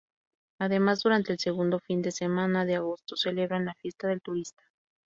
Además, durante el segundo fin de semana de agosto celebran la "fiesta del turista".